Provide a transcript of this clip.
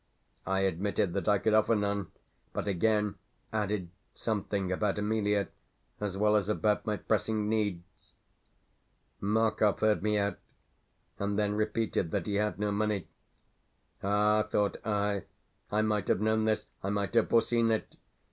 I admitted that I could offer none, but again added something about Emelia, as well as about my pressing needs. Markov heard me out, and then repeated that he had no money. "Ah," thought I, "I might have known this I might have foreseen it!"